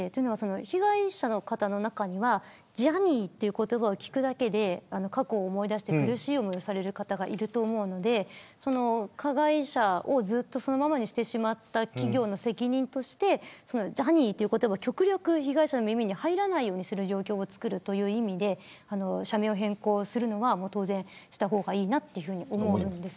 被害者の方の中にはジャニーという言葉を聞くだけで過去を思い出して苦しい思いをされる方がいると思うので加害者をずっとそのままにしてしまった企業の責任としてジャニーという言葉を極力被害者の耳に入らないようにするという状況をつくる意味で社名を変更するのは当然した方がいいと思うんです。